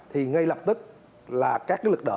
thì ngay lập tức là các cái lực đỡ